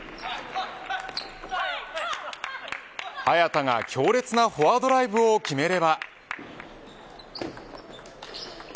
早田が強烈なフォアドライブを決めれば。